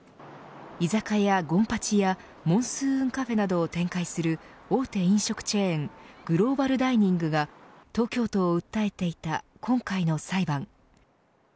居酒屋権八やモンスーンカフェなどを展開する大手飲食チェーングローバルダイニングが東京都を訴えていた今回の裁判。